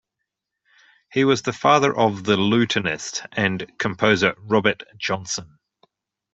He was the father of the lutenist and composer Robert Johnson.